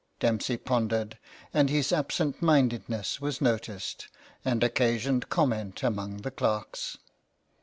Dempsey pondered, and his absent minded ness was noticed, and occasioned comment among the clerks.